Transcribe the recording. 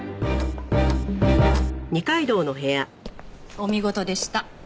お見事でした。